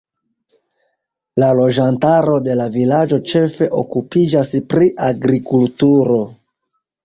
La loĝantaro de la vilaĝo ĉefe okupiĝas pri agrikulturo.